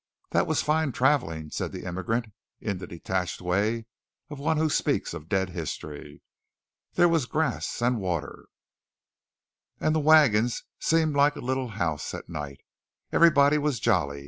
"That was fine travelling," said the immigrant in the detached way of one who speaks of dead history. "There was grass and water; and the wagon seemed like a little house at night. Everybody was jolly.